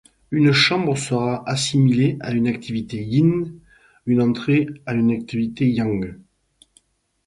Une chambre sera assimilée à une activité yin, une entrée à une activité yang.